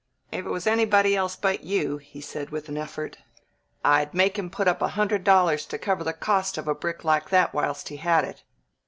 "If 'twas anybody else but you," he said with an effort, "I'd make him put up a hundred dollars to cover the cost of a brick like that whilst he had it.